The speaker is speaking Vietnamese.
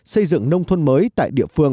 xây dựng nông thôn mới tại địa phương